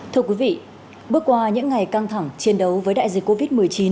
thưa quý vị bước qua những ngày căng thẳng chiến đấu với đại dịch covid một mươi chín